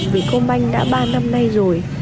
việt con bành đã ba năm nay rồi